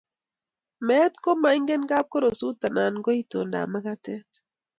Meet komaingen kapkorosut anan ko itondab makatet.